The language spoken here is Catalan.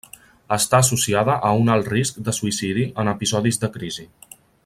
Està associada a un alt risc de suïcidi en episodis de crisi.